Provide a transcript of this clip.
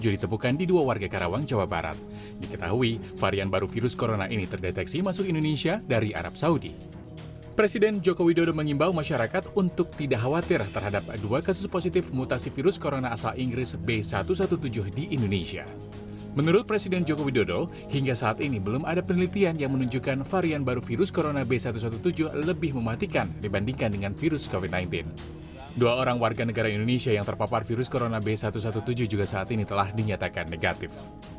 dua orang warga negara indonesia yang terpapar virus corona b satu ratus tujuh belas juga saat ini telah dinyatakan negatif